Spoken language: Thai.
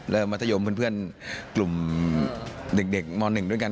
มัธยมเพื่อนกลุ่มเด็กม๑ด้วยกัน